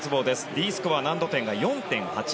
Ｄスコア、難度点が４．８。